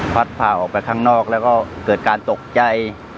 ผ่าออกไปข้างนอกแล้วก็เกิดการตกใจ